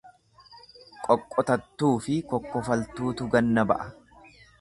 Qoqqotattuufi kokkofaltuutu ganna ba'a.